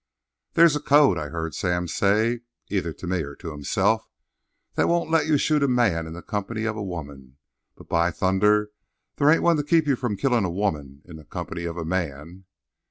"There's a code," I heard Sam say, either to me or to himself, "that won't let you shoot a man in the company of a woman; but, by thunder, there ain't one to keep you from killing a woman in the company of a man!"